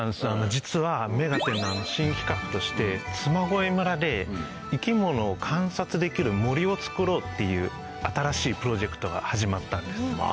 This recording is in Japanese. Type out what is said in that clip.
実は『目がテン！』の新企画として嬬恋村で生き物を観察できる森を作ろうっていう新しいプロジェクトが始まったんです。